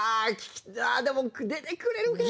でも出てくれるかな。